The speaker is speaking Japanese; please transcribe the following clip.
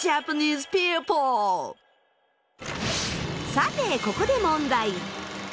さてここで問題。